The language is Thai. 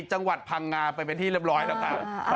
จังหวัดพังงาไปเป็นที่เรียบร้อยแล้วกัน